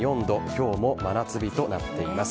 今日も真夏日となっています。